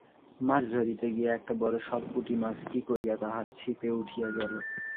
মাছ ধরিতে গিয়া একটা বড় সরপুঁটি মাছ কি করিয়া তাহার ছিপে উঠিয়া গেল।